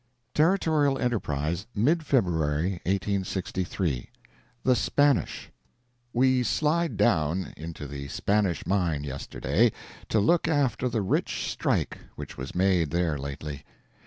Territorial Enterprise, mid February, 1863 THE SPANISH We slide down into the Spanish mine yesterday, to look after the rich strike which was made there lately.